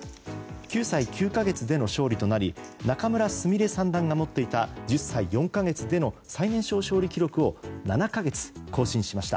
９歳９か月での勝利となり仲邑菫三段が持っていた１０歳４か月での最年少勝利記録を７か月、更新しました。